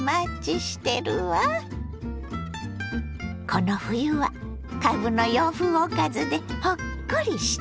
この冬はかぶの洋風おかずでほっこりしてね。